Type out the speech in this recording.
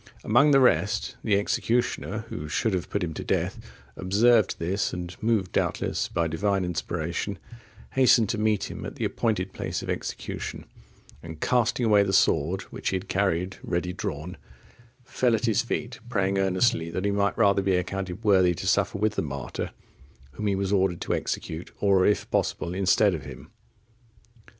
Among the rest, the executioner, who should have put him to death, observed this, and moved doubtless by Divine inspiration hastened to meet him at the appointed place of execution, and casting away the sword which he had carried ready drawn, fell at his feet, praying earnestly that he might rather be accounted worthy to suffer with the martyr, whom he was ordered to execute, or, if possible, instead of him.